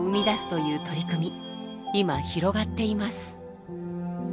今広がっています。